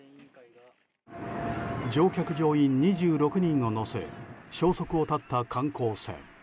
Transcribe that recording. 乗客・乗員２６人を乗せ消息を絶った観光船。